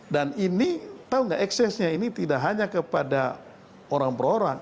dan ini tahu nggak eksesnya ini tidak hanya kepada orang orang